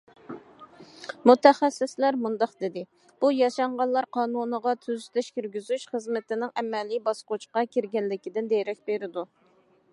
مۇتەخەسسىسلەر مۇنداق دېدى: بۇ ياشانغانلار قانۇنىغا تۈزىتىش كىرگۈزۈش خىزمىتىنىڭ ئەمەلىي باسقۇچقا كىرگەنلىكىدىن دېرەك بېرىدۇ.